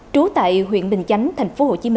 trú tại huyện bình chánh tp hcm